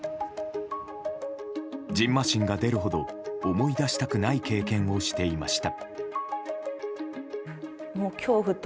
じんましんが出るほど思い出したくない経験をしていました。